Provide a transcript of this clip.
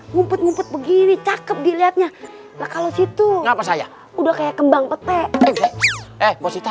ngumpet ngumpet begini cakep dilihatnya kalau situ udah kayak kembang petek